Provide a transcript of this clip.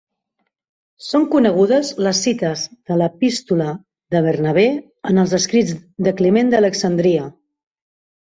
Són conegudes les cites de l'Epístola de Bernabé en els escrits de Climent d'Alexandria.